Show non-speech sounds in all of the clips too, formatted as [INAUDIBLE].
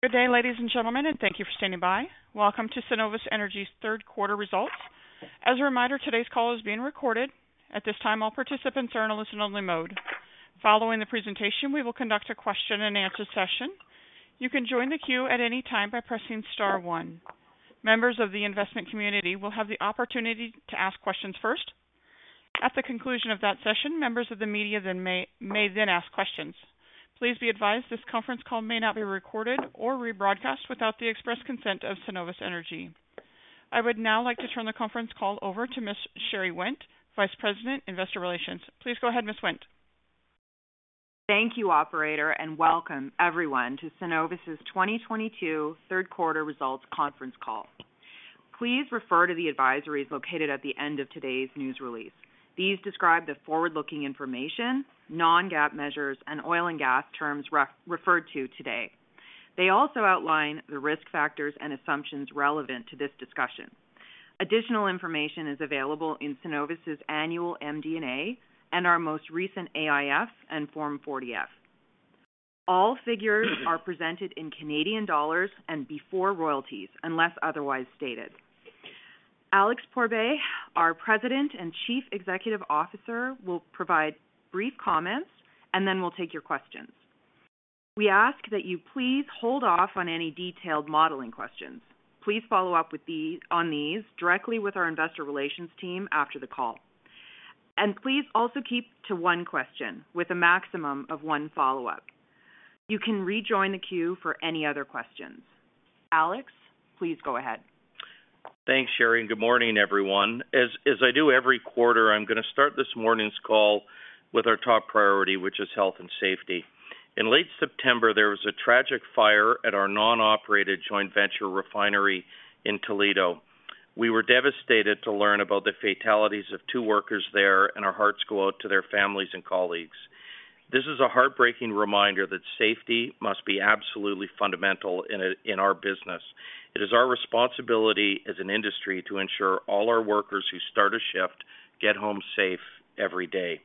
Good day, ladies and gentlemen, and thank you for standing by. Welcome to Cenovus Energy's third quarter results. As a reminder, today's call is being recorded. At this time, all participants are in a listen-only mode. Following the presentation, we will conduct a question-and-answer session. You can join the queue at any time by pressing star one. Members of the investment community will have the opportunity to ask questions first. At the conclusion of that session, members of the media then may ask questions. Please be advised this conference call may not be recorded or rebroadcast without the express consent of Cenovus Energy. I would now like to turn the conference call over to Ms. Sherry Wendt, Vice President, Investor Relations. Please go ahead, Ms. Wendt. Thank you, operator, and welcome everyone to Cenovus's 2022 Third Quarter Results Conference Call. Please refer to the advisories located at the end of today's news release. These describe the forward-looking information, non-GAAP measures and oil and gas terms referred to today. They also outline the risk factors and assumptions relevant to this discussion. Additional information is available in Cenovus's annual MD&A and our most recent AIF and Form 40-F. All figures are presented in Canadian dollars and before royalties, unless otherwise stated. Alex Pourbaix, our President and Chief Executive Officer, will provide brief comments and then we'll take your questions. We ask that you please hold off on any detailed modeling questions. Please follow up on these directly with our Investor Relations team after the call. Please also keep to one question with a maximum of one follow-up. You can rejoin the queue for any other questions. Alex, please go ahead. Thanks, Sherry, and good morning, everyone. As I do every quarter, I'm gonna start this morning's call with our top priority, which is health and safety. In late September, there was a tragic fire at our non-operated joint venture refinery in Toledo. We were devastated to learn about the fatalities of two workers there, and our hearts go out to their families and colleagues. This is a heartbreaking reminder that safety must be absolutely fundamental in our business. It is our responsibility as an industry to ensure all our workers who start a shift get home safe every day.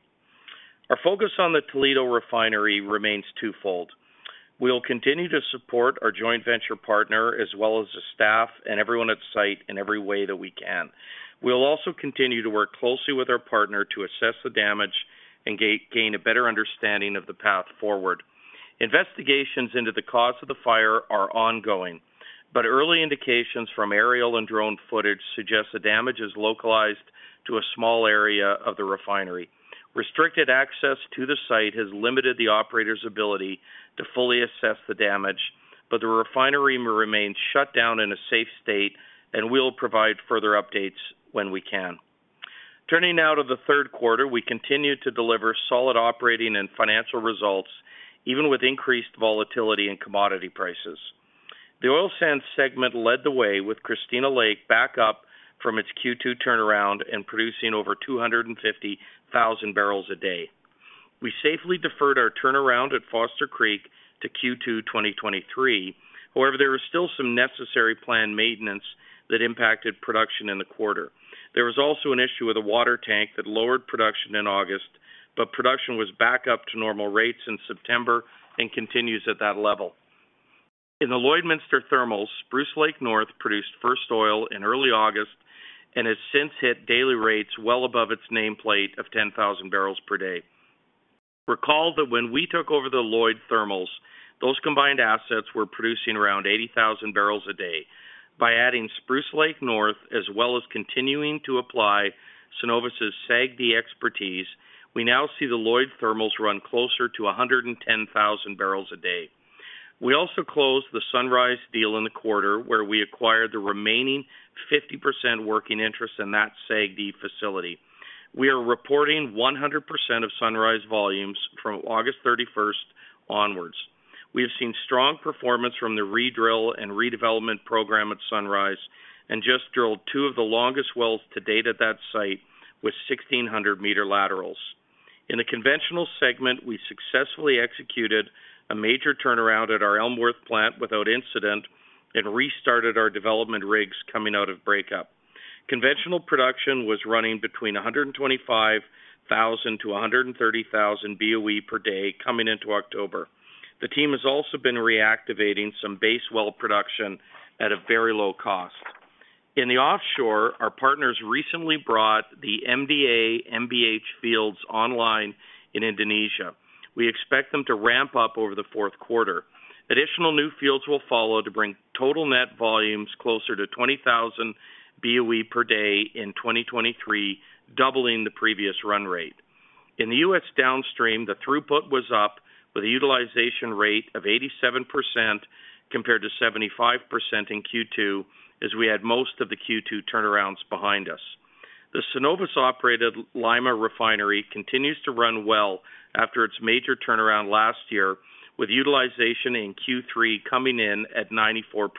Our focus on the Toledo refinery remains twofold. We'll continue to support our joint venture partner, as well as the staff and everyone at site in every way that we can. We'll also continue to work closely with our partner to assess the damage and gain a better understanding of the path forward. Investigations into the cause of the fire are ongoing, but early indications from aerial and drone footage suggest the damage is localized to a small area of the refinery. Restricted access to the site has limited the operator's ability to fully assess the damage, but the refinery will remain shut down in a safe state and we'll provide further updates when we can. Turning now to the third quarter, we continued to deliver solid operating and financial results, even with increased volatility in commodity prices. The oil sands segment led the way with Christina Lake back up from its Q2 turnaround and producing over 250,000 bpd. We safely deferred our turnaround at Foster Creek to Q2 2023. However, there was still some necessary planned maintenance that impacted production in the quarter. There was also an issue with a water tank that lowered production in August, but production was back up to normal rates in September and continues at that level. In the Lloydminster Thermals, Spruce Lake North produced first oil in early August and has since hit daily rates well above its nameplate of 10,000 bpd. Recall that when we took over the Lloyd Thermals, those combined assets were producing around 80,000 bpd. By adding Spruce Lake North, as well as continuing to apply Cenovus's SAGD expertise, we now see the Lloyd Thermals run closer to 110,000 bpd. We also closed the Sunrise deal in the quarter, where we acquired the remaining 50% working interest in that SAGD facility. We are reporting 100% of Sunrise volumes from August 31st onward. We have seen strong performance from the re-drill and redevelopment program at Sunrise, and just drilled two of the longest wells to date at that site with 1,600 m laterals. In the conventional segment, we successfully executed a major turnaround at our Elmworth plant without incident and restarted our development rigs coming out of breakup. Conventional production was running between 125,000 BOE-130,000 BOE per day coming into October. The team has also been reactivating some base well production at a very low cost. In the offshore, our partners recently brought the MDA-MBH fields online in Indonesia. We expect them to ramp up over the fourth quarter. Additional new fields will follow to bring total net volumes closer to 20,000 BOE/d in 2023, doubling the previous run rate. In the U.S. downstream, the throughput was up with a utilization rate of 87% compared to 75% in Q2, as we had most of the Q2 turnarounds behind us. The Cenovus-operated Lima Refinery continues to run well after its major turnaround last year, with utilization in Q3 coming in at 94%.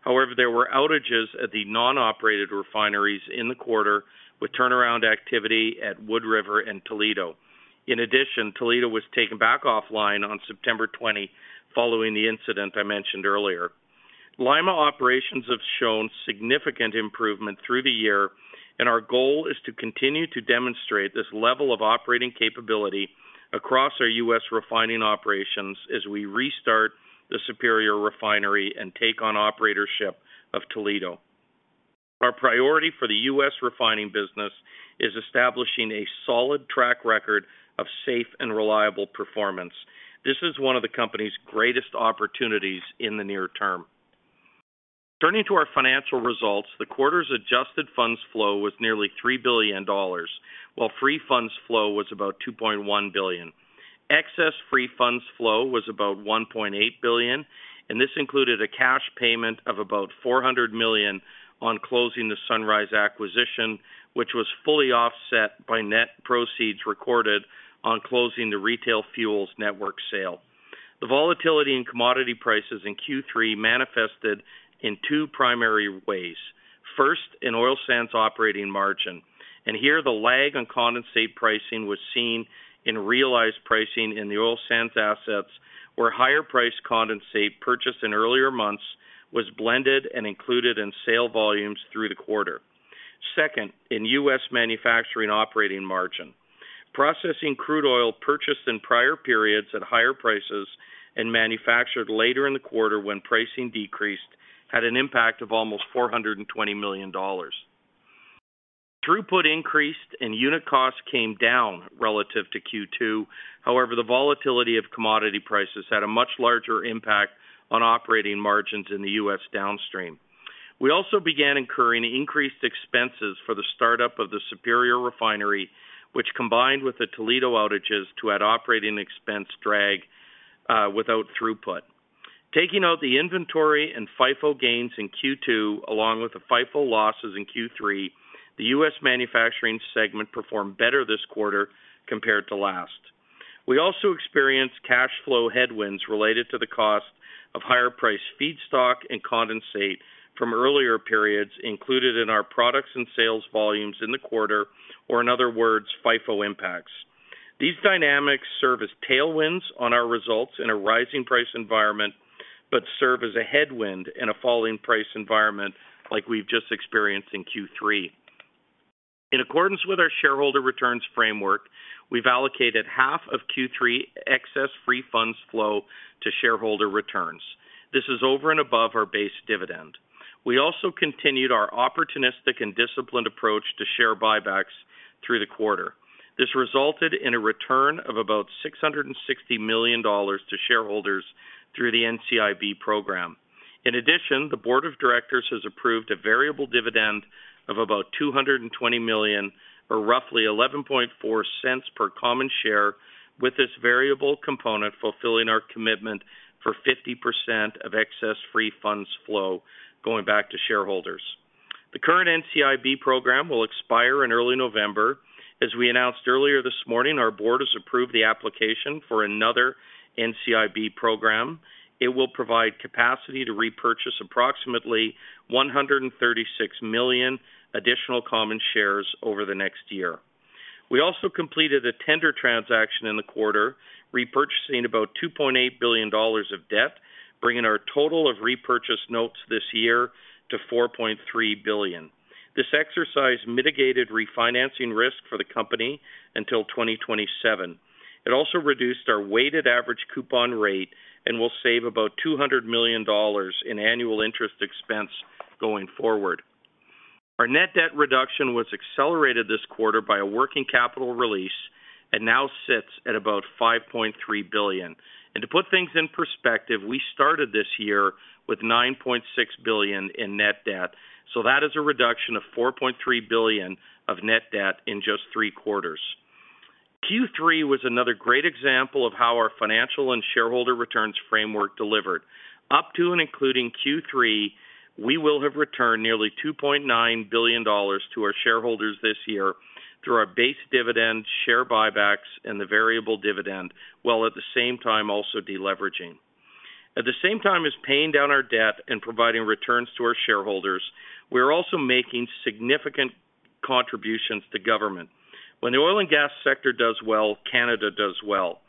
However, there were outages at the non-operated refineries in the quarter with turnaround activity at Wood River and Toledo. In addition, Toledo was taken back offline on September 20 following the incident I mentioned earlier. Lima operations have shown significant improvement through the year, and our goal is to continue to demonstrate this level of operating capability across our U.S. refining operations as we restart the Superior Refinery and take on operatorship of Toledo. Our priority for the U.S. refining business is establishing a solid track record of safe and reliable performance. This is one of the company's greatest opportunities in the near term. Turning to our financial results, the quarter's adjusted funds flow was nearly 3 billion dollars, while free funds flow was about 2.1 billion. Excess free funds flow was about 1.8 billion, and this included a cash payment of about 400 million on closing the Sunrise acquisition, which was fully offset by net proceeds recorded on closing the retail fuels network sale. The volatility in commodity prices in Q3 manifested in two primary ways. First, in oil sands operating margin, and here the lag on condensate pricing was seen in realized pricing in the oil sands assets, where higher price condensate purchased in earlier months was blended and included in sale volumes through the quarter. Second, in U.S. manufacturing operating margin. Processing crude oil purchased in prior periods at higher prices and manufactured later in the quarter when pricing decreased had an impact of almost 420 million dollars. Throughput increased and unit costs came down relative to Q2. However, the volatility of commodity prices had a much larger impact on operating margins in the U.S. downstream. We also began incurring increased expenses for the startup of the Superior Refinery, which combined with the Toledo outages to add operating expense drag without throughput. Taking out the inventory and FIFO gains in Q2, along with the FIFO losses in Q3, the U.S. manufacturing segment performed better this quarter compared to last. We also experienced cash flow headwinds related to the cost of higher-priced feedstock and condensate from earlier periods included in our products and sales volumes in the quarter, or in other words, FIFO impacts. These dynamics serve as tailwinds on our results in a rising price environment, but serve as a headwind in a falling price environment like we've just experienced in Q3. In accordance with our shareholder returns framework, we've allocated half of Q3 excess free funds flow to shareholder returns. This is over and above our base dividend. We also continued our opportunistic and disciplined approach to share buybacks through the quarter. This resulted in a return of about 660 million dollars to shareholders through the NCIB program. The Board of Directors has approved a variable dividend of about 220 million, or roughly 0.114 per common share, with this variable component fulfilling our commitment for 50% of excess free funds flow going back to shareholders. The current NCIB program will expire in early November. Our board has approved the application for another NCIB program. It will provide capacity to repurchase approximately 136 million additional common shares over the next year. We also completed a tender transaction in the quarter, repurchasing about 2.8 billion dollars of debt, bringing our total of repurchased notes this year to 4.3 billion. This exercise mitigated refinancing risk for the company until 2027. It also reduced our weighted average coupon rate and will save about 200 million dollars in annual interest expense going forward. Our net debt reduction was accelerated this quarter by a working capital release and now sits at about 5.3 billion. To put things in perspective, we started this year with 9.6 billion in net debt. That is a reduction of 4.3 billion of net debt in just three quarters. Q3 was another great example of how our financial and shareholder returns framework delivered. Up to and including Q3, we will have returned nearly 2.9 billion dollars to our shareholders this year through our base dividend, share buybacks, and the variable dividend, while at the same time also deleveraging. At the same time as paying down our debt and providing returns to our shareholders, we are also making significant contributions to government. When the oil and gas sector does well, Canada does well.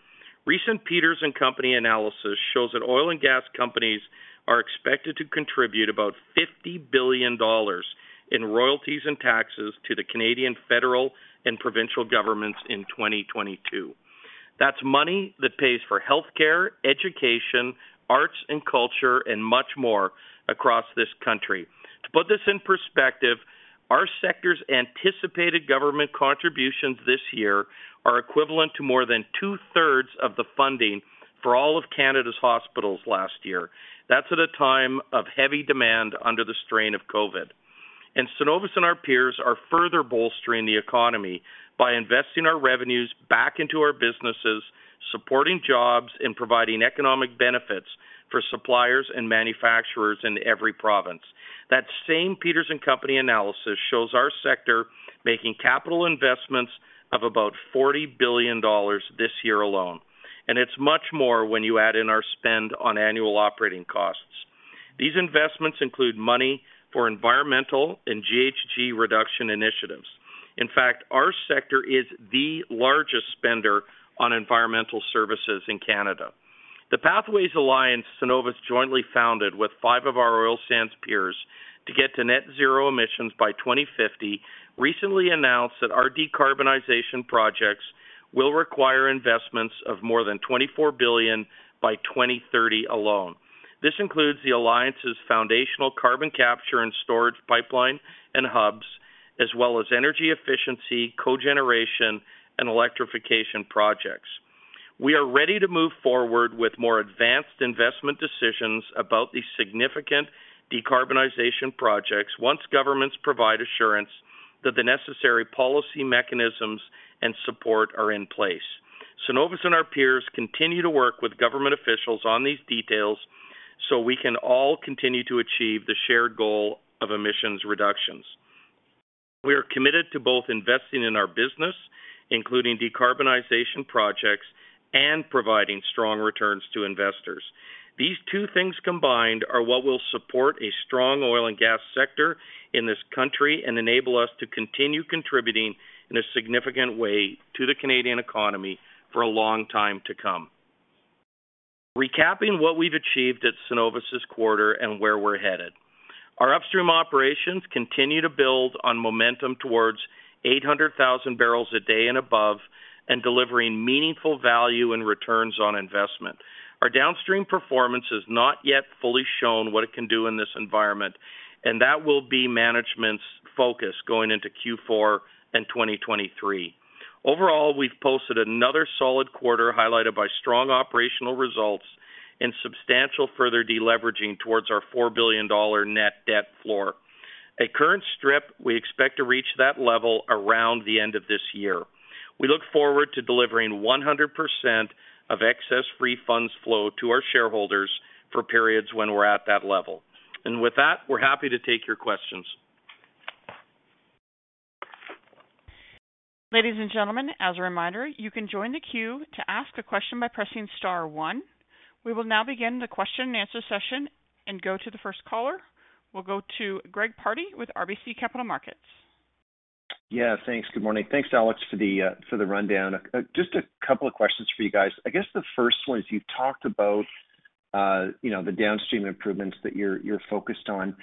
Recent Peters & Co analysis shows that oil and gas companies are expected to contribute about 50 billion dollars in royalties and taxes to the Canadian federal and provincial governments in 2022. That's money that pays for healthcare, education, arts and culture, and much more across this country. To put this in perspective, our sector's anticipated government contributions this year are equivalent to more than two-thirds of the funding for all of Canada's hospitals last year. That's at a time of heavy demand under the strain of COVID. Cenovus and our peers are further bolstering the economy by investing our revenues back into our businesses, supporting jobs, and providing economic benefits for suppliers and manufacturers in every province. That same Peters & Co analysis shows our sector making capital investments of about 40 billion dollars this year alone. It's much more when you add in our spend on annual operating costs. These investments include money for environmental and GHG reduction initiatives. In fact, our sector is the largest spender on environmental services in Canada. The Pathways Alliance, Cenovus jointly founded with five of our oil sands peers to get to net-zero emissions by 2050, recently announced that our decarbonization projects will require investments of more than 24 billion by 2030 alone. This includes the Alliance's foundational carbon capture and storage pipeline and hubs, as well as energy efficiency, cogeneration, and electrification projects. We are ready to move forward with more advanced investment decisions about these significant decarbonization projects once governments provide assurance that the necessary policy mechanisms and support are in place. Cenovus and our peers continue to work with government officials on these details so we can all continue to achieve the shared goal of emissions reductions. We are committed to both investing in our business, including decarbonization projects, and providing strong returns to investors. These two things combined are what will support a strong oil and gas sector in this country and enable us to continue contributing in a significant way to the Canadian economy for a long time to come. Recapping what we've achieved at Cenovus this quarter and where we're headed. Our upstream operations continue to build on momentum towards 800,000 bpd and above and delivering meaningful value and returns on investment. Our downstream performance is not yet fully shown what it can do in this environment, and that will be management's focus going into Q4 and 2023. Overall, we've posted another solid quarter highlighted by strong operational results and substantial further deleveraging towards our 4 billion dollar net debt floor. At current strip, we expect to reach that level around the end of this year. We look forward to delivering 100% of excess free funds flow to our shareholders for periods when we're at that level. With that, we're happy to take your questions. Ladies and gentlemen, as a reminder, you can join the queue to ask a question by pressing star one. We will now begin the question-and-answer session and go to the first caller. We'll go to Greg Pardy with RBC Capital Markets. Yeah, thanks. Good morning. Thanks, Alex, for the rundown. Just a couple of questions for you guys. I guess the first one is you've talked about, you know, the downstream improvements that you're focused on.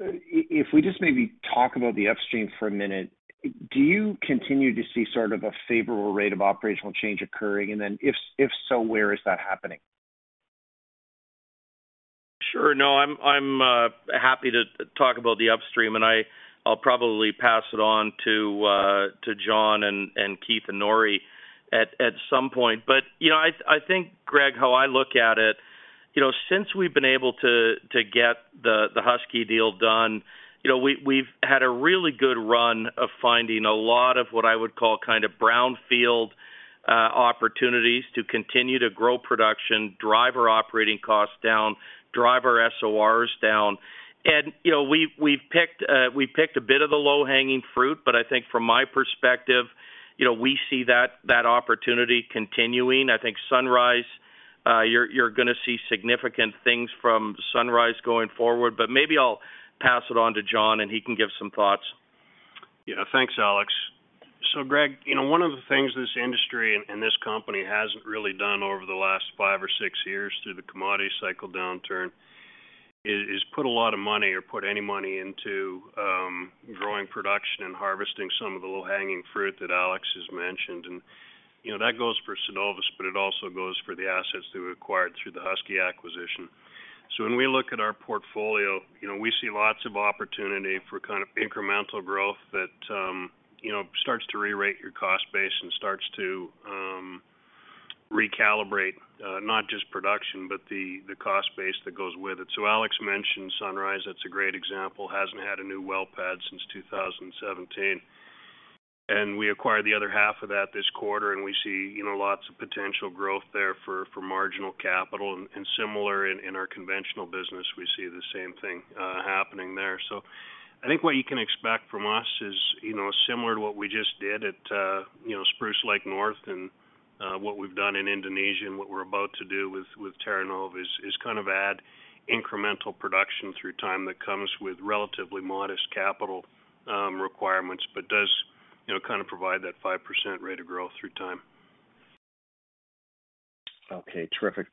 If we just maybe talk about the upstream for a minute, do you continue to see sort of a favorable rate of operational change occurring? Then if so, where is that happening? Sure. No, I'm happy to talk about the upstream and I'll probably pass it on to Jon and Keith and Norrie at some point. You know, I think, Greg, how I look at it, you know, since we've been able to get the Husky deal done, you know, we've had a really good run of finding a lot of what I would call kind of brownfield opportunities to continue to grow production, drive our operating costs down, drive our SORs down. You know, we've picked a bit of the low-hanging fruit, but I think from my perspective, you know, we see that opportunity continuing. I think Sunrise, you're gonna see significant things from Sunrise going forward. Maybe I'll pass it on to Jon and he can give some thoughts. Yeah. Thanks, Alex. Greg, you know, one of the things this industry and this company hasn't really done over the last five or six years through the commodity cycle downturn is put a lot of money or put any money into growing production and harvesting some of the low-hanging fruit that Alex has mentioned. You know, that goes for Cenovus, but it also goes for the assets that we acquired through the Husky acquisition. When we look at our portfolio, you know, we see lots of opportunity for kind of incremental growth that, you know, starts to rerate your cost base and starts to recalibrate not just production, but the cost base that goes with it. Alex mentioned Sunrise. That's a great example. Hasn't had a new well pad since 2017. We acquired the other half of that this quarter, and we see, you know, lots of potential growth there for marginal capital. Similar in our conventional business, we see the same thing happening there. I think what you can expect from us is, you know, similar to what we just did at, you know, Spruce Lake North and what we've done in Indonesia and what we're about to do with TerraNova is kind of add incremental production through time that comes with relatively modest capital requirements, but does, you know, kind of provide that 5% rate of growth through time. Okay, terrific.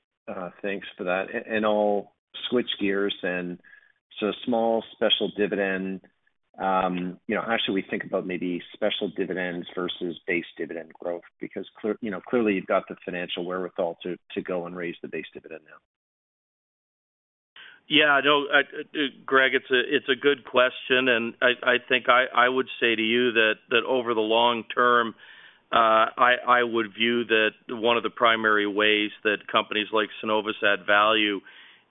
Thanks for that. I'll switch gears and so small special dividend, you know, how should we think about maybe special dividends versus base dividend growth? Because clearly you've got the financial wherewithal to go and raise the base dividend now. Greg, it's a good question, and I think I would say to you that over the long term, I would view that one of the primary ways that companies like Cenovus add value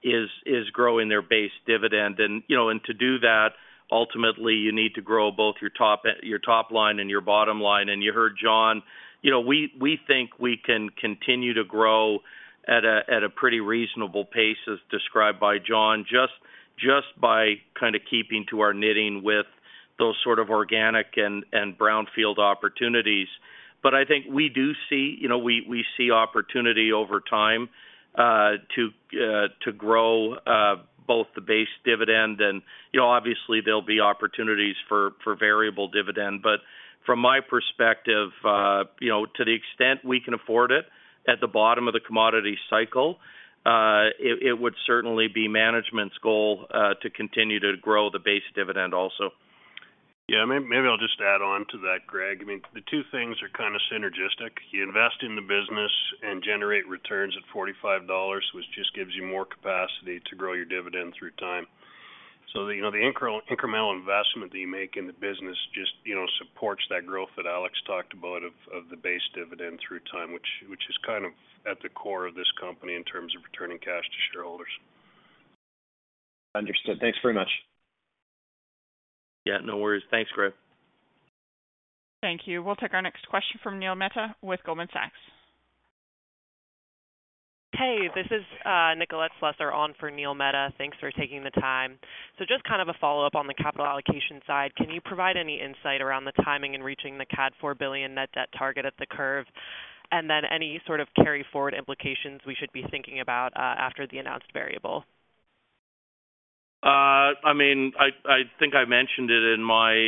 is growing their base dividend. You know, to do that, ultimately, you need to grow both your top line and your bottom line. You heard Jon, you know, we think we can continue to grow at a pretty reasonable pace, as described by Jon, just by kind of keeping to our knitting with those sort of organic and brownfield opportunities. I think we do see, you know, we see opportunity over time to grow both the base dividend and, you know, obviously there'll be opportunities for variable dividend. From my perspective, you know, to the extent we can afford it at the bottom of the commodity cycle, it would certainly be management's goal to continue to grow the base dividend also. Yeah, maybe I'll just add on to that, Greg. I mean, the two things are kind of synergistic. You invest in the business and generate returns at $45, which just gives you more capacity to grow your dividend through time. You know, the incremental investment that you make in the business just, you know, supports that growth that Alex talked about of the base dividend through time, which is kind of at the core of this company in terms of returning cash to shareholders. Understood. Thanks very much. Yeah, no worries. Thanks, Greg. Thank you. We'll take our next question from Neil Mehta with Goldman Sachs. Hey, this is Nicolette Slusser on for Neil Mehta. Thanks for taking the time. Just kind of a follow-up on the capital allocation side. Can you provide any insight around the timing in reaching the CAD 4 billion net debt target at the curve? Any sort of carry forward implications we should be thinking about after the announced variable? I mean, I think I mentioned it in my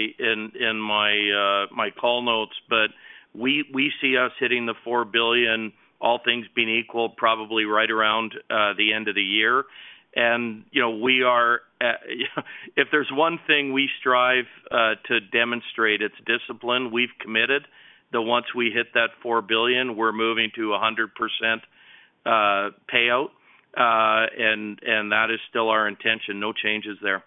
call notes, but we see us hitting the 4 billion, all things being equal, probably right around the end of the year. You know, we are you know if there's one thing we strive to demonstrate, it's discipline. We've committed that once we hit that 4 billion, we're moving to a 100% payout, and that is still our intention. No changes there.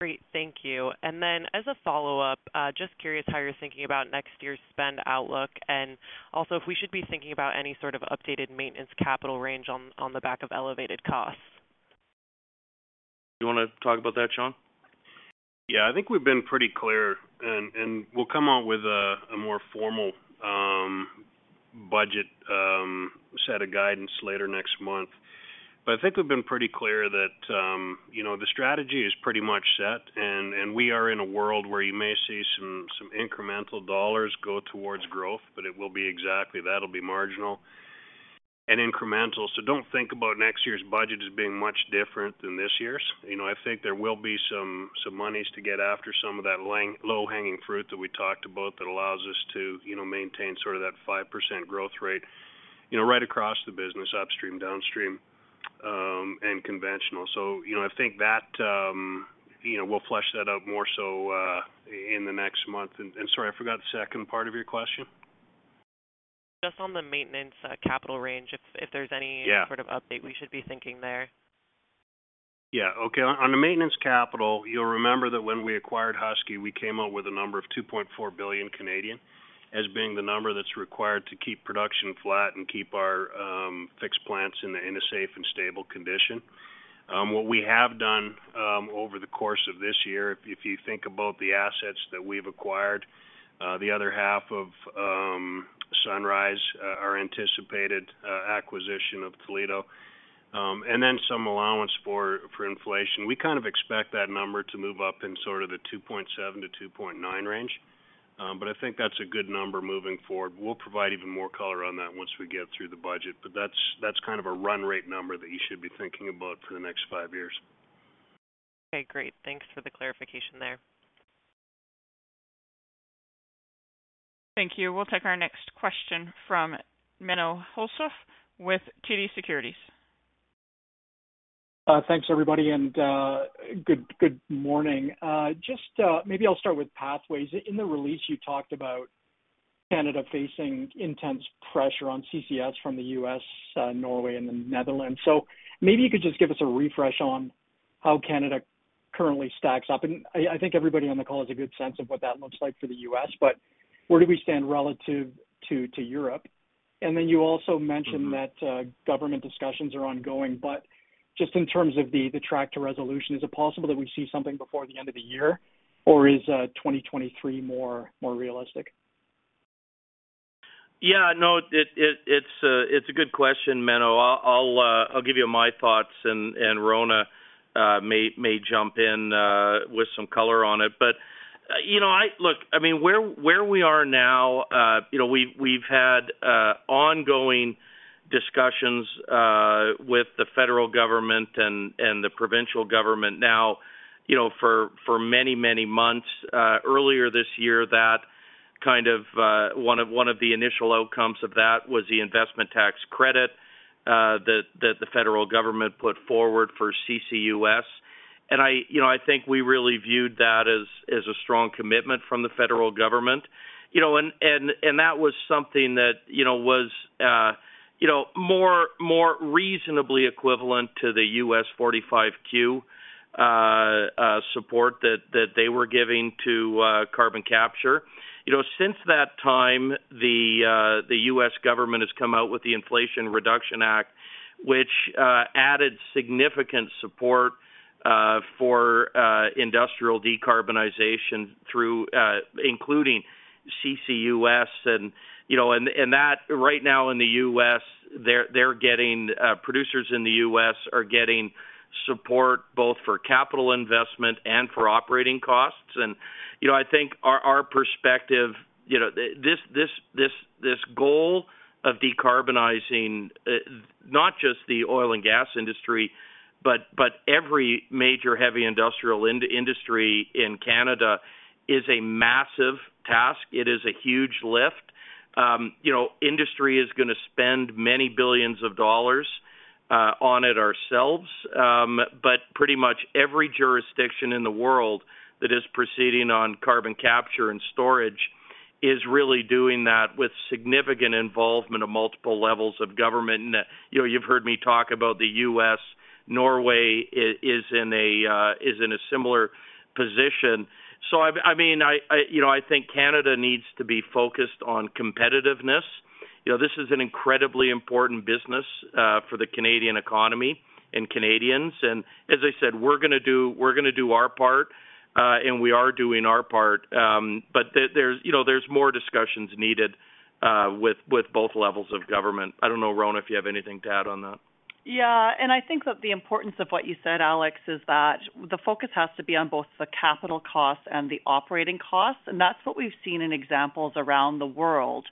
Great. Thank you. As a follow-up, just curious how you're thinking about next year's spend outlook, and also if we should be thinking about any sort of updated maintenance capital range on the back of elevated costs? You wanna talk about that, Jon? Yeah. I think we've been pretty clear and we'll come out with a more formal budget set of guidance later next month. I think we've been pretty clear that you know the strategy is pretty much set and we are in a world where you may see some incremental dollars go towards growth, but it will be exactly, that'll be marginal and incremental. Don't think about next year's budget as being much different than this year's. You know, I think there will be some monies to get after some of that low-hanging fruit that we talked about that allows us to you know maintain sort of that 5% growth rate you know right across the business, upstream, downstream, and conventional. You know, I think that, you know, we'll flesh that out more so in the next month. Sorry, I forgot the second part of your question. Just on the maintenance capital range, if there's any sort of update we should be thinking there. Yeah. Okay. On the maintenance capital, you'll remember that when we acquired Husky, we came out with a number of 2.4 billion as being the number that's required to keep production flat and keep our fixed plants in a safe and stable condition. What we have done over the course of this year, if you think about the assets that we've acquired, the other half of Sunrise, our anticipated acquisition of Toledo, and then some allowance for inflation, we kind of expect that number to move up in sort of the 2.7 billion-2.9 billion range. I think that's a good number moving forward. We'll provide even more color on that once we get through the budget, but that's kind of a run rate number that you should be thinking about for the next five years. Okay, great. Thanks for the clarification there. Thank you. We'll take our next question from Menno Hulshof with TD Securities. Thanks, everybody, and good morning. Just maybe I'll start with Pathways. In the release, you talked about Canada facing intense pressure on CCS from the U.S., Norway, and the Netherlands. Maybe you could just give us a refresh on how Canada currently stacks up. I think everybody on the call has a good sense of what that looks like for the U.S., but where do we stand relative to Europe. You also mentioned that government discussions are ongoing, but just in terms of the track to resolution, is it possible that we see something before the end of the year, or is 2023 more realistic? It's a good question, Menno. I'll give you my thoughts and Rhona may jump in with some color on it. You know, look, I mean, where we are now, you know, we've had ongoing discussions with the federal government and the provincial government now, you know, for many months. Earlier this year, that kind of one of the initial outcomes of that was the investment tax credit that the federal government put forward for CCUS. You know, I think we really viewed that as a strong commitment from the federal government. You know, that was something that, you know, was more reasonably equivalent to the U.S. 45Q support that they were giving to carbon capture. You know, since that time, the U.S. government has come out with the Inflation Reduction Act, which added significant support for industrial decarbonization through including CCUS. You know, that right now in the U.S., producers in the U.S. are getting support both for capital investment and for operating costs. You know, I think our perspective, you know, this goal of decarbonizing, not just the oil and gas industry, but every major heavy industrial industry in Canada is a massive task. It is a huge lift. You know, industry is gonna spend many billions of dollars on it ourselves. Pretty much every jurisdiction in the world that is proceeding on carbon capture and storage is really doing that with significant involvement of multiple levels of government. You know, you've heard me talk about the U.S. Norway is in a similar position. I mean, you know, I think Canada needs to be focused on competitiveness. You know, this is an incredibly important business for the Canadian economy and Canadians. As I said, we're gonna do our part, and we are doing our part. You know, there's more discussions needed with both levels of government. I don't know, Rhona, if you have anything to add on that. Yeah. I think that the importance of what you said, Alex, is that the focus has to be on both the capital costs and the operating costs. That's what we've seen in examples around the world,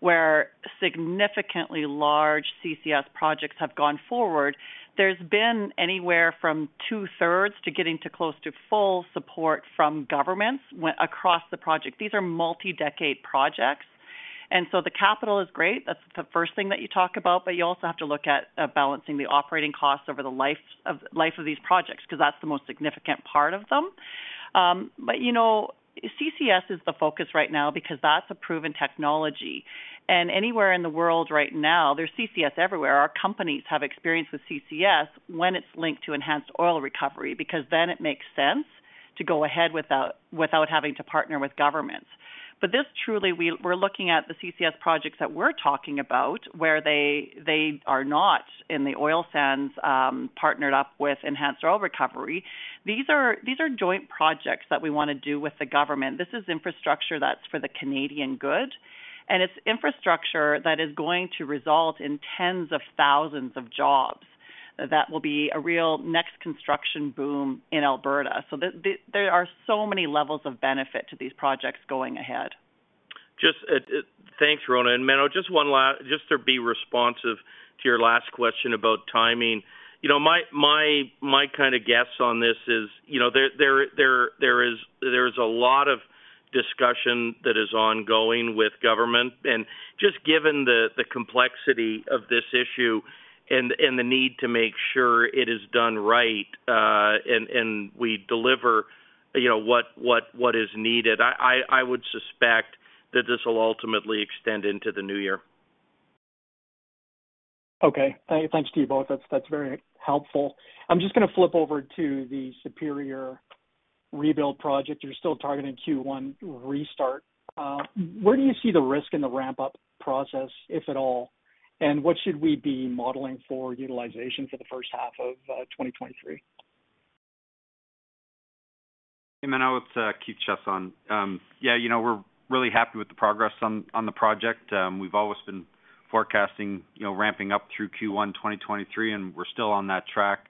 where significantly large CCS projects have gone forward. There's been anywhere from two-thirds to getting to close to full support from governments when across the project. These are multi-decade projects. The capital is great. That's the first thing that you talk about, but you also have to look at balancing the operating costs over the life of these projects because that's the most significant part of them. You know, CCS is the focus right now because that's a proven technology. Anywhere in the world right now, there's CCS everywhere. Our companies have experience with CCS when it's linked to enhanced oil recovery, because then it makes sense to go ahead without having to partner with governments. This truly, we're looking at the CCS projects that we're talking about where they are not in the oil sands, partnered up with enhanced oil recovery. These are joint projects that we wanna do with the government. This is infrastructure that's for the Canadian good, and it's infrastructure that is going to result in tens of thousands of jobs. That will be a real next construction boom in Alberta. There are so many levels of benefit to these projects going ahead. Thanks, Rhona. Menno, just to be responsive to your last question about timing. You know, my kinda guess on this is, you know, there is a lot of discussion that is ongoing with government. Just given the complexity of this issue and the need to make sure it is done right, and we deliver, you know, what is needed, I would suspect that this will ultimately extend into the new year. Okay. Thanks to you both. That's very helpful. I'm just gonna flip over to the Superior rebuild project. You're still targeting Q1 restart. Where do you see the risk in the ramp-up process, if at all? What should we be modeling for utilization for the first half of 2023? Hey, Menno. It's Keith Chiasson. Yeah, you know, we're really happy with the progress on the project. We've always been forecasting, you know, ramping up through Q1 2023, and we're still on that track.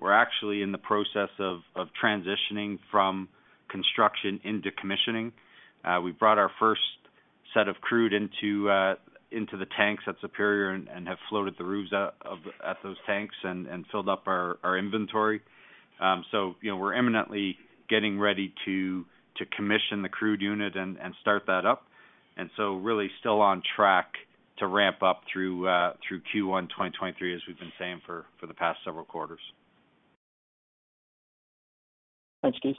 We're actually in the process of transitioning from construction into commissioning. We brought our first set of crude into the tanks at Superior and have floated the roofs at those tanks and filled up our inventory. So, you know, we're imminently getting ready to commission the crude unit and start that up. Really, still on track to ramp up through Q1 2023, as we've been saying for the past several quarters. Thanks, Keith.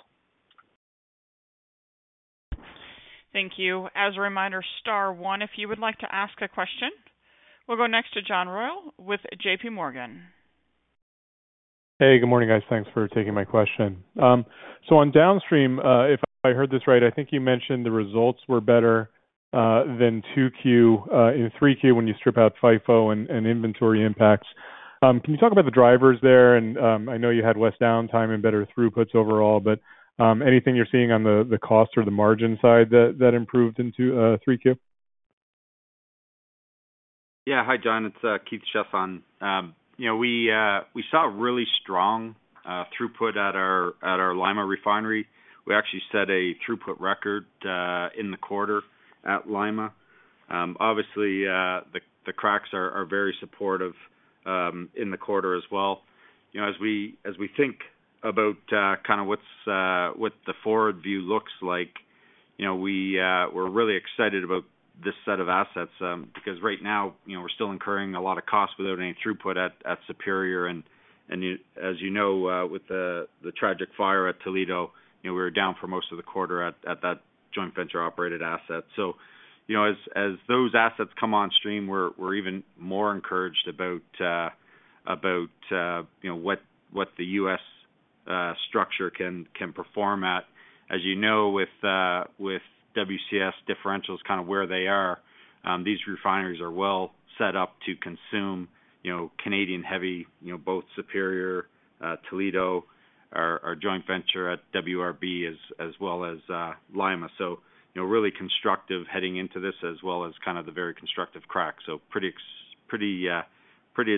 Thank you. As a reminder, star one, if you would like to ask a question. We'll go next to John Royall with JPMorgan. Hey, good morning, guys. Thanks for taking my question. On downstream, if I heard this right, I think you mentioned the results were better than 2Q in 3Q when you strip out FIFO and inventory impacts. Can you talk about the drivers there? I know you had less downtime and better throughputs overall, but anything you're seeing on the cost or the margin side that improved in 3Q? Yeah. Hi, John. It's Keith Chiasson. You know, we saw a really strong throughput at our Lima refinery. We actually set a throughput record in the quarter at Lima. Obviously, the cracks are very supportive in the quarter as well. You know, as we think about kinda what the forward view looks like, you know, we're really excited about this set of assets, because right now, you know, we're still incurring a lot of costs without any throughput at Superior. As you know, with the tragic fire at Toledo, you know, we were down for most of the quarter at that joint venture-operated asset. You know, as those assets come on stream, we're even more encouraged about, you know, what the U.S. structure can perform at. As you know, with WCS differentials kind of where they are, these refineries are well set up to consume, you know, Canadian heavy, you know, both Superior, Toledo, our joint venture at WRB as well as, Lima. You know, really constructive heading into this as well as kind of the very constructive crack. Pretty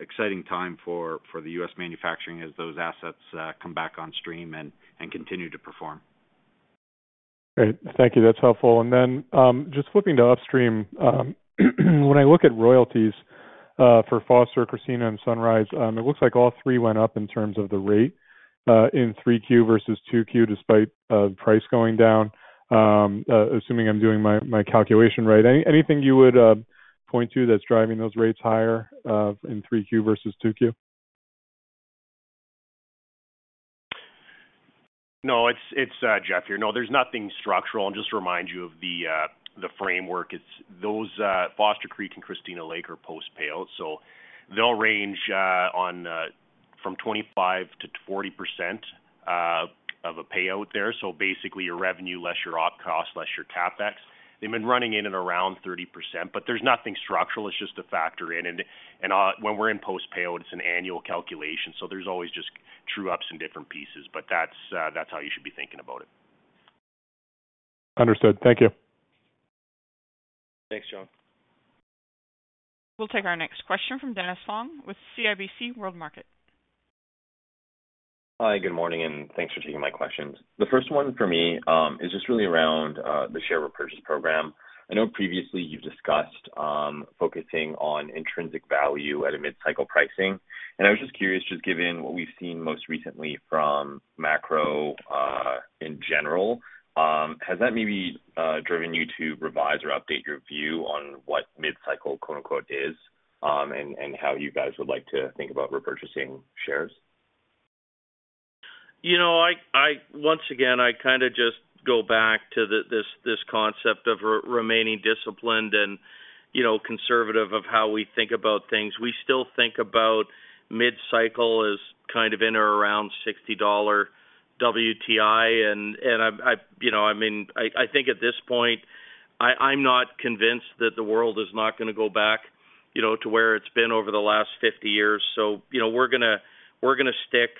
exciting time for the U.S. manufacturing as those assets come back on stream and continue to perform. Great. Thank you. That's helpful. Just flipping to upstream, when I look at royalties for Foster, Christina, and Sunrise, it looks like all three went up in terms of the rate in 3Q versus 2Q, despite price going down, assuming I'm doing my calculation right. Anything you would point to that's driving those rates higher in 3Q versus 2Q? No, it's Jeff here. No, there's nothing structural. I'll just remind you of the framework. It's those Foster Creek and Christina Lake are post-payout, so they'll range from 25%-40% of a payout there. Basically, your revenue, less your op cost, less your CapEx. They've been running in and around 30%, but there's nothing structural. It's just a factor in. When we're in post-payout, it's an annual calculation, so there's always just true ups in different pieces. That's how you should be thinking about it. Understood. Thank you. Thanks, John. We'll take our next question from Dennis Fong with CIBC World Markets. Hi, good morning, and thanks for taking my questions. The first one for me is just really around the share repurchase program. I know previously you've discussed focusing on intrinsic value at a mid-cycle pricing, and I was just curious, just given what we've seen most recently from macro in general, has that maybe driven you to revise or update your view on what mid-cycle quote-unquote is, and how you guys would like to think about repurchasing shares? You know, once again, I kinda just go back to the this concept of remaining disciplined and, you know, conservative of how we think about things. We still think about mid-cycle as kind of in or around $60 WTI. I'm, you know, I mean, I think at this point, I'm not convinced that the world is not gonna go back, you know, to where it's been over the last 50 years. You know, we're gonna stick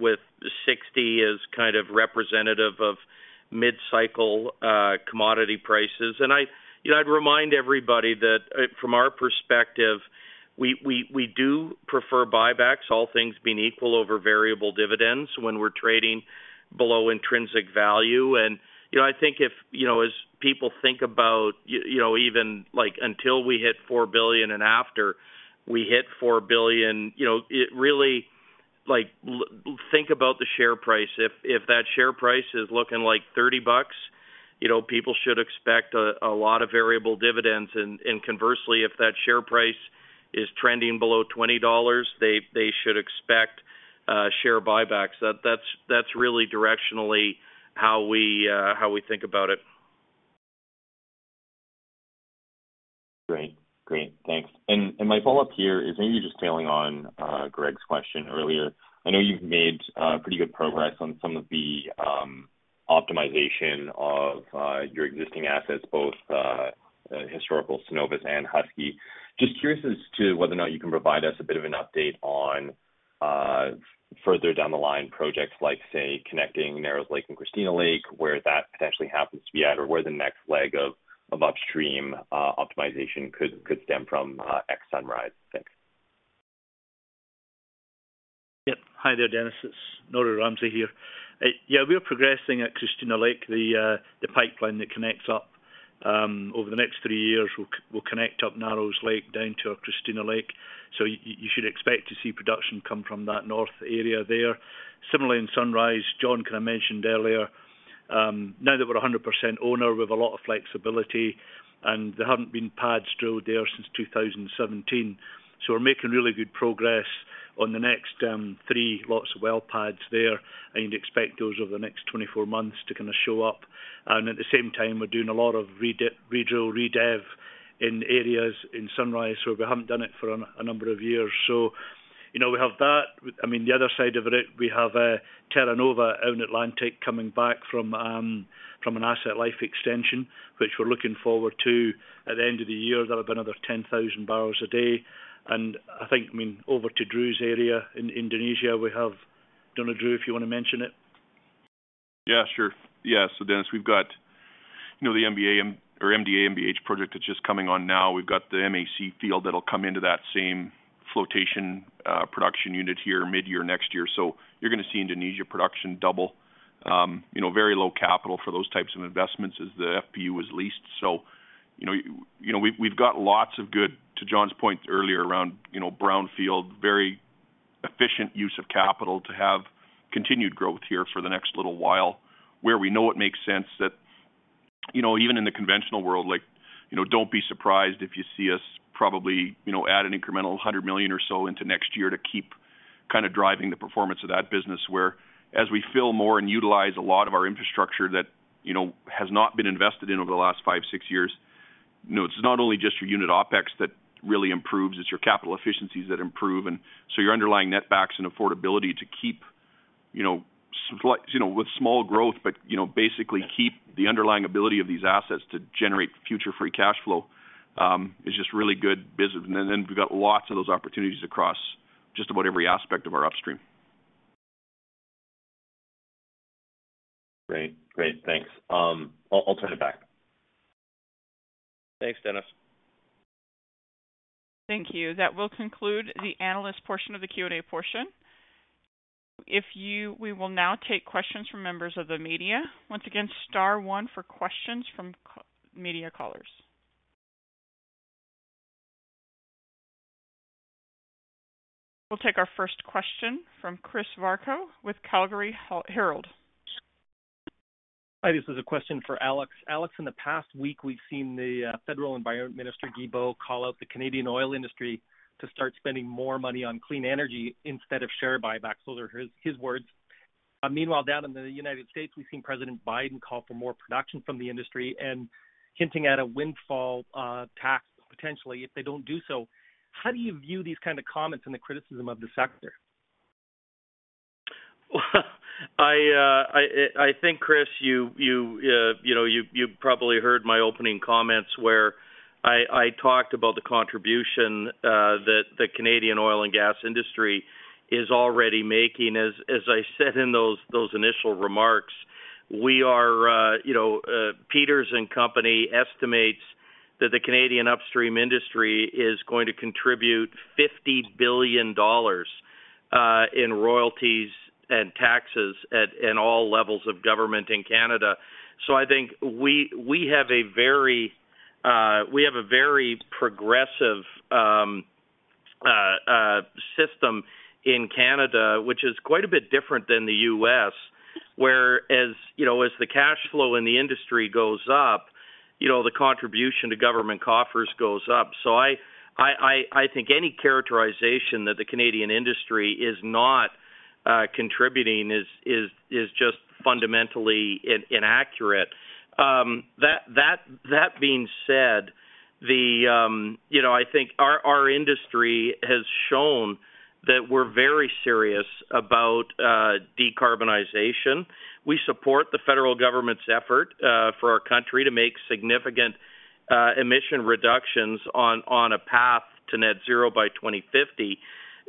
with $60 as kind of representative of mid-cycle commodity prices. I, you know, I'd remind everybody that, from our perspective, we do prefer buybacks, all things being equal over variable dividends when we're trading below intrinsic value. You know, I think if, you know, as people think about, you know, even, like, until we hit 4 billion and after we hit 4 billion, you know, it really. Like, think about the share price. If that share price is looking like 30 bucks, you know, people should expect a lot of variable dividends. And conversely, if that share price is trending below 20 dollars, they should expect share buybacks. That's really directionally how we think about it. Great. Thanks. My follow-up here is maybe just tacking on to Greg's question earlier. I know you've made pretty good progress on some of the optimization of your existing assets, both historical Cenovus and Husky. Just curious as to whether or not you can provide us a bit of an update on further down the line projects like, say, connecting Narrows Lake and Christina Lake, where that potentially happens to be at or where the next leg of upstream optimization could stem from, ex Sunrise. Thanks. Yep. Hi there, Dennis. It's Norrie Ramsay here. We are progressing at Christina Lake. The pipeline that connects up over the next three years will connect up Narrows Lake down to Christina Lake. You should expect to see production come from that north area there. Similarly, in Sunrise, Jon kinda mentioned earlier, now that we're 100% owner, we've a lot of flexibility, and there haven't been pads drilled there since 2017. We're making really good progress on the next three lots of well pads there, and expect those over the next 24 months to kinda show up. At the same time, we're doing a lot of redrill, redev in areas in Sunrise, so we haven't done it for a number of years. So, you know, we have that. I mean, the other side of it, we have Terra Nova out in Atlantic coming back from an asset life extension, which we're looking forward to at the end of the year. There'll be another 10,000 bpd. I think, I mean, over to Drew's area in Indonesia, we have Drew, if you wanna mention it. Yeah, sure. Yeah. Dennis, we've got, you know, the MDA-MBH project that's just coming on now. We've got the MAC field that'll come into that same floating production unit here mid-year next year. You're gonna see Indonesia production double. You know, very low capital for those types of investments as the FPU is leased. You know, we've got lots of good, to Jon's point earlier around, you know, brownfield, very efficient use of capital to have continued growth here for the next little while, where we know it makes sense that, you know, even in the conventional world, like, you know, don't be surprised if you see us probably, you know, add an incremental 100 million or so into next year to keep kinda driving the performance of that business, whereas we fill more and utilize a lot of our infrastructure that, you know, has not been invested in over the last five to six years. You know, it's not only just your unit OpEx that really improves, it's your capital efficiencies that improve. Your underlying net backs and affordability to keep, you know, with small growth, but, you know, basically keep the underlying ability of these assets to generate future free cash flow, is just really good business. Then we've got lots of those opportunities across just about every aspect of our upstream. Great. Thanks. I'll turn it back. Thanks, Dennis. Thank you. That will conclude the analyst portion of the Q&A portion. We will now take questions from members of the media. Once again, star one for questions from media callers. We'll take our first question from Chris Varcoe with Calgary Herald. Hi, this is a question for Alex. Alex, in the past week, we've seen the Federal Environment Minister Guilbeault call out the Canadian oil industry to start spending more money on clean energy instead of share buybacks. Those are his words. Meanwhile, down in the United States, we've seen President Biden call for more production from the industry and hinting at a windfall tax, potentially, if they don't do so. How do you view these kinda comments and the criticism of the sector? I think, Chris, you know, you probably heard my opening comments where I talked about the contribution that the Canadian oil and gas industry is already making. As I said in those initial remarks, Peters & Co estimates that the Canadian upstream industry is going to contribute 50 billion dollars in royalties and taxes at all levels of government in Canada. I think we have a very progressive system in Canada, which is quite a bit different than the U.S., whereas you know, as the cash flow in the industry goes up, you know, the contribution to government coffers goes up. I think any characterization that the Canadian industry is not contributing is just fundamentally inaccurate. That being said, you know, I think our industry has shown that we're very serious about decarbonization. We support the federal government's effort for our country to make significant emission reductions on a path to net zero by 2050.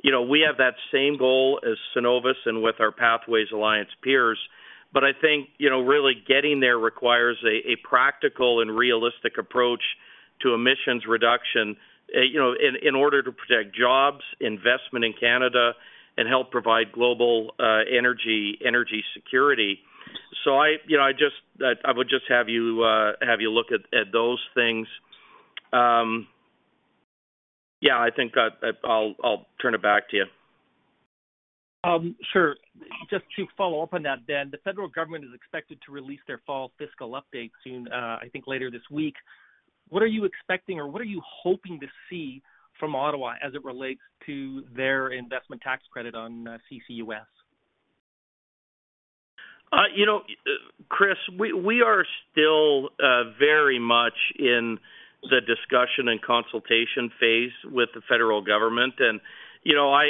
You know, we have that same goal as Cenovus and with our Pathways Alliance peers. I think, you know, really getting there requires a practical and realistic approach to emissions reduction, you know, in order to protect jobs, investment in Canada, and help provide global energy security. You know, I would just have you look at those things. Yeah, I think I'll turn it back to you. Sure. Just to follow up on that then, the federal government is expected to release their fall fiscal update soon, I think later this week. What are you expecting or what are you hoping to see from Ottawa as it relates to their investment tax credit on, CCUS? You know, Chris, we are still very much in the discussion and consultation phase with the federal government. You know, I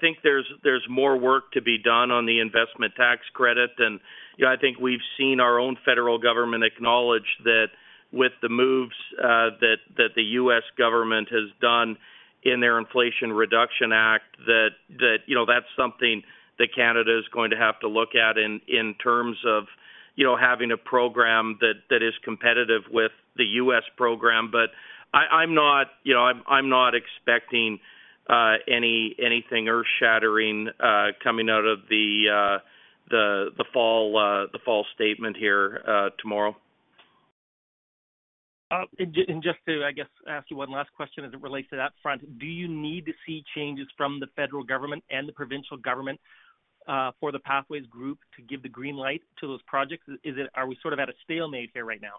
think there's more work to be done on the investment tax credit. You know, I think we've seen our own federal government acknowledge that with the moves that the U.S. government has done in their Inflation Reduction Act, that you know, that's something that Canada is going to have to look at in terms of you know, having a program that is competitive with the U.S. program. I'm not you know, I'm not expecting anything earth-shattering coming out of the fall statement here tomorrow. Just to, I guess, ask you one last question as it relates to that front. Do you need to see changes from the federal government and the provincial government for the Pathways group to give the green light to those projects? Are we sort of at a stalemate here right now?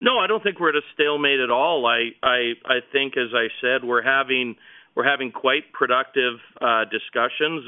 No, I don't think we're at a stalemate at all. I think, as I said, we're having quite productive discussions.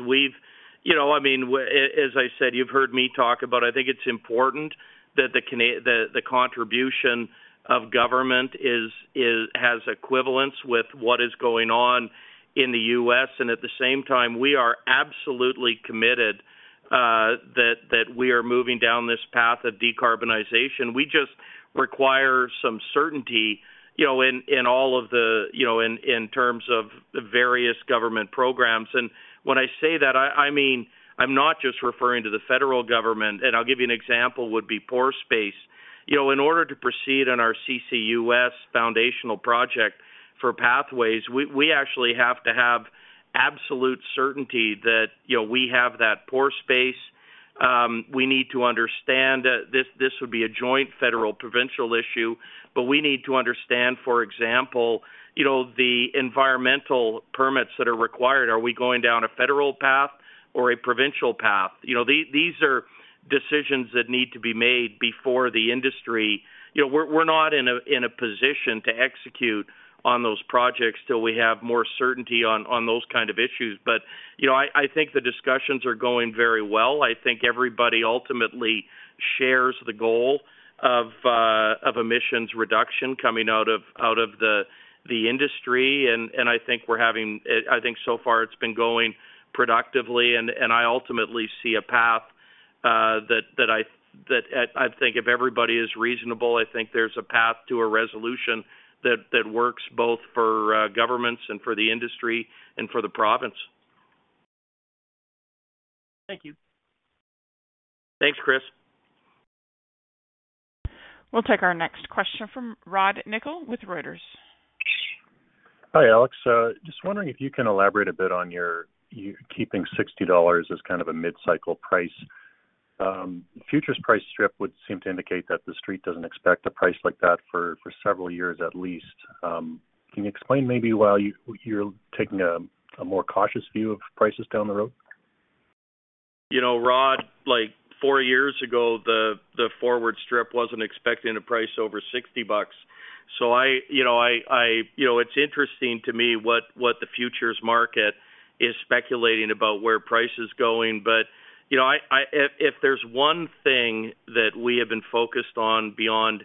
You know, I mean, as I said, you've heard me talk about, I think it's important that the contribution of government has equivalence with what is going on in the U.S. At the same time, we are absolutely committed that we are moving down this path of decarbonization. We just require some certainty, you know, in all of the, you know, in terms of the various government programs. When I say that, I mean, I'm not just referring to the federal government, and I'll give you an example, would be pore space. You know, in order to proceed on our CCUS foundational project for Pathways, we actually have to have absolute certainty that, you know, we have that pore space. We need to understand, this would be a joint federal-provincial issue, but we need to understand, for example, you know, the environmental permits that are required. Are we going down a federal path or a provincial path? You know, these are decisions that need to be made before the industry. You know, we're not in a position to execute on those projects till we have more certainty on those kind of issues. You know, I think the discussions are going very well. I think everybody ultimately shares the goal of emissions reduction coming out of the industry. I think so far it's been going productively. I ultimately see a path that I think if everybody is reasonable, I think there's a path to a resolution that works both for governments and for the industry and for the province. Thank you. Thanks, Chris. We'll take our next question from Rod Nickel with Reuters. Hi, Alex. Just wondering if you can elaborate a bit on you keeping $60 as kind of a mid-cycle price. Futures price strip would seem to indicate that the Street doesn't expect a price like that for several years at least. Can you explain maybe why you're taking a more cautious view of prices down the road? You know, Rod, like, four years ago, the forward strip wasn't expecting a price over $60. You know, it's interesting to me what the futures market is speculating about where price is going. You know, if there's one thing that we have been focused on beyond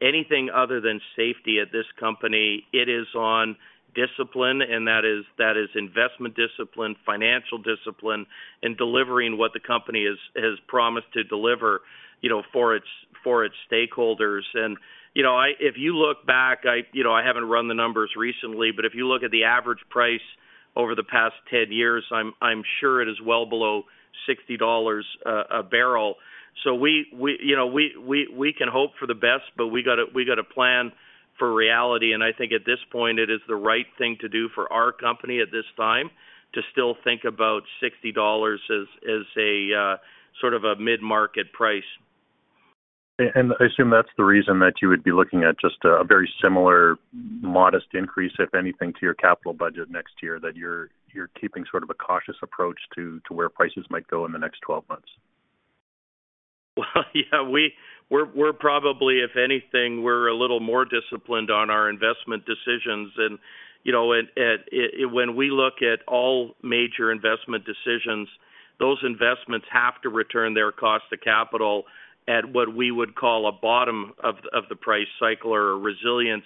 anything other than safety at this company, it is on discipline, and that is investment discipline, financial discipline, and delivering what the company has promised to deliver, you know, for its stakeholders. You know, if you look back, I haven't run the numbers recently, but if you look at the average price over the past 10 years, I'm sure it is well below $60/bbl. We, you know, can hope for the best, but we gotta plan for reality. I think at this point it is the right thing to do for our company at this time to still think about $60 as a sort of a mid-cycle price. I assume that's the reason that you would be looking at just a very similar modest increase, if anything, to your capital budget next year, that you're keeping sort of a cautious approach to where prices might go in the next 12 months. Well, yeah. We're probably, if anything, we're a little more disciplined on our investment decisions. You know, when we look at all major investment decisions, those investments have to return their cost of capital at what we would call a bottom of the price cycle or a resiliency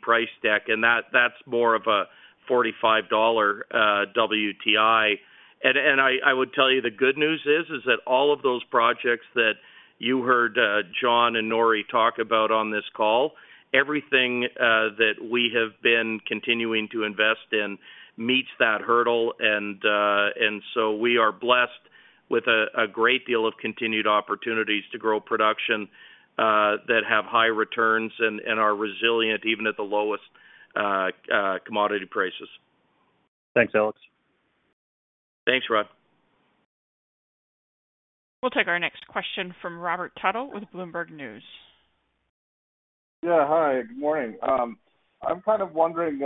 price deck. That's more of a $45 WTI. I would tell you the good news is that all of those projects that you heard John and Nori talk about on this call, everything that we have been continuing to invest in meets that hurdle. We are blessed with a great deal of continued opportunities to grow production that have high returns and are resilient even at the lowest commodity prices. Thanks, Alex. Thanks, Rod. We'll take our next question from Robert Tuttle with Bloomberg News. Yeah. Hi, good morning. I'm kind of wondering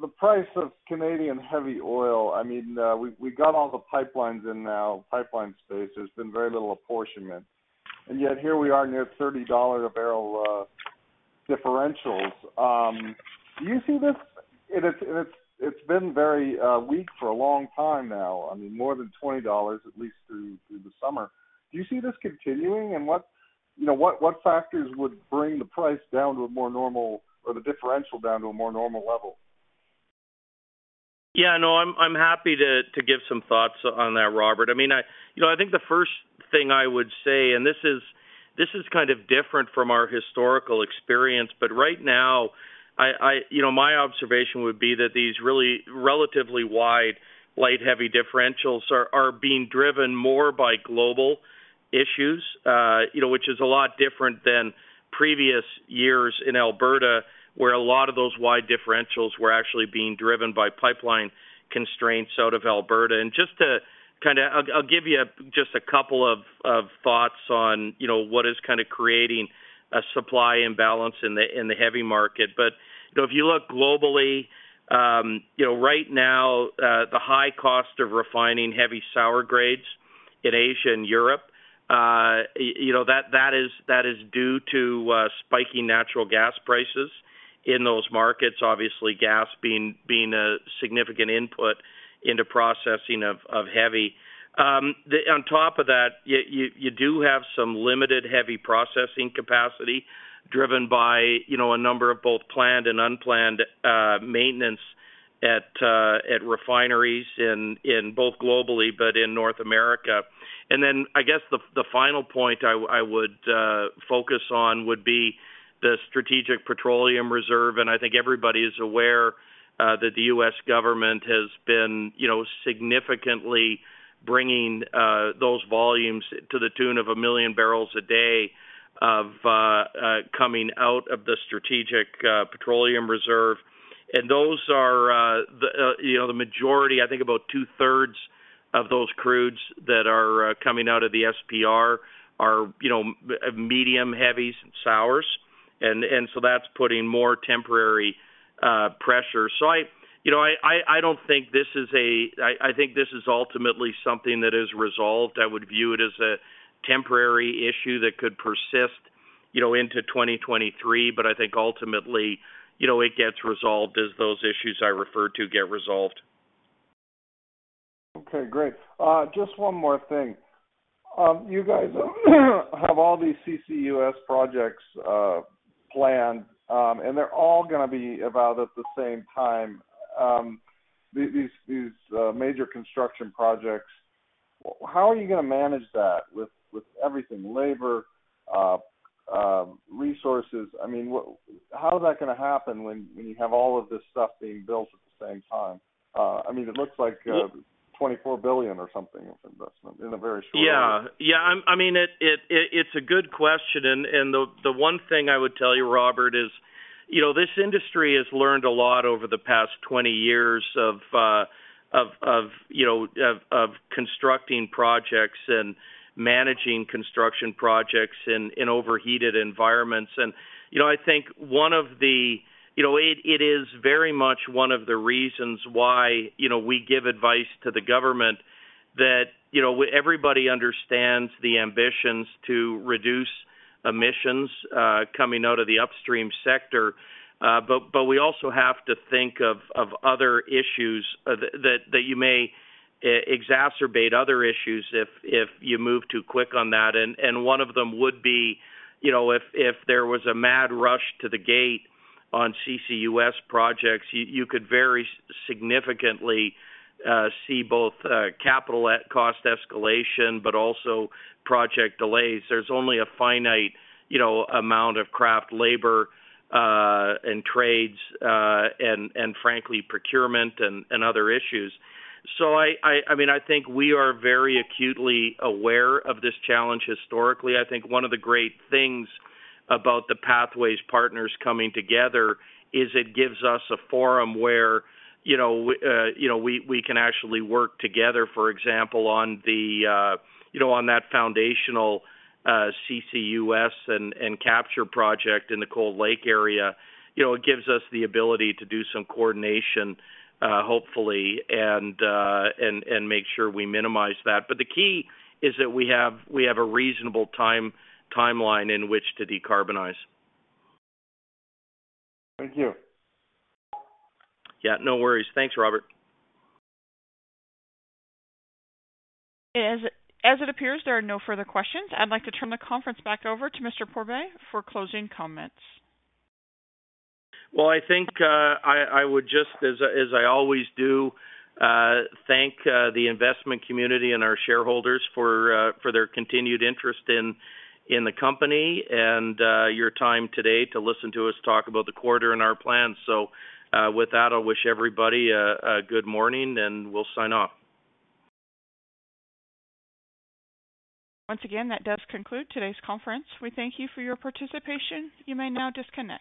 the price of Canadian heavy oil. I mean, we got all the pipelines in now, pipeline space. There's been very little apportionment. Yet here we are near $30/bbl differentials. Do you see this and it's been very weak for a long time now, I mean, more than $20, at least through the summer. Do you see this continuing? What, you know, factors would bring the price down to a more normal, or the differential down to a more normal level? Yeah, no, I'm happy to give some thoughts on that, Robert. I mean, you know, I think the first thing I would say, and this is kind of different from our historical experience, but right now, you know, my observation would be that these really relatively wide light heavy differentials are being driven more by global issues, you know, which is a lot different than previous years in Alberta, where a lot of those wide differentials were actually being driven by pipeline constraints out of Alberta. Just to kind of, I'll give you just a couple of thoughts on, you know, what is kind of creating a supply imbalance in the heavy market. If you look globally, you know, right now, the high cost of refining heavy sour grades in Asia and Europe, you know, that is due to spiking natural gas prices in those markets. Obviously, gas being a significant input into processing of heavy. On top of that, you do have some limited heavy processing capacity driven by a number of both planned and unplanned maintenance at refineries in both globally but in North America. Then I guess the final point I would focus on would be the Strategic Petroleum Reserve. I think everybody is aware that the U.S. government has been, you know, significantly bringing those volumes to the tune of 1 million bpd coming out of the Strategic Petroleum Reserve. Those are, you know, the majority, I think about two-thirds of those crudes that are coming out of the SPR are, you know, medium heavies and sours. That's putting more temporary pressure. I, you know, don't think this is. I think this is ultimately something that is resolved. I would view it as a temporary issue that could persist, you know, into 2023. I think ultimately, you know, it gets resolved as those issues I referred to get resolved. Okay, great. Just one more thing. You guys have all these CCUS projects planned, and they're all gonna be about at the same time. These major construction projects. How are you gonna manage that with everything? Labor, resources. I mean, how is that gonna happen when you have all of this stuff being built at the same time? I mean, it looks like 24 billion or something of investment in a very short. [CROSSTALK] Yeah. I mean, it is a good question. The one thing I would tell you, Robert, is, you know, this industry has learned a lot over the past 20 years of constructing projects and managing construction projects in overheated environments. You know, I think one of the reasons why, you know, we give advice to the government that, you know, everybody understands the ambitions to reduce emissions coming out of the upstream sector. We also have to think of other issues that you may exacerbate other issues if you move too quick on that. One of them would be, you know, if there was a mad rush to the gate on CCUS projects, you could very significantly see both capital cost escalation, but also project delays. There's only a finite, you know, amount of craft labor in trades, and frankly, procurement and other issues. I mean, I think we are very acutely aware of this challenge historically. I think one of the great things about the Pathways partners coming together is it gives us a forum where, you know, we can actually work together, for example, on that foundational CCUS and capture project in the Cold Lake area. You know, it gives us the ability to do some coordination, hopefully, and make sure we minimize that. The key is that we have a reasonable timeline in which to decarbonize. Thank you. Yeah, no worries. Thanks, Robert. As it appears, there are no further questions, I'd like to turn the conference back over to Mr. Pourbaix for closing comments. Well, I think I would just, as I always do, thank the investment community and our shareholders for their continued interest in the company and your time today to listen to us talk about the quarter and our plans. With that, I'll wish everybody a good morning, and we'll sign off. Once again, that does conclude today's conference. We thank you for your participation. You may now disconnect.